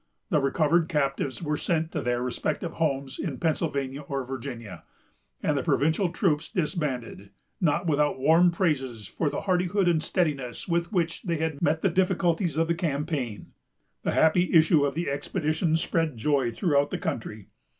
The recovered captives were sent to their respective homes in Pennsylvania or Virginia; and the provincial troops disbanded, not without warm praises for the hardihood and steadiness with which they had met the difficulties of the campaign. The happy issue of the expedition spread joy throughout the country.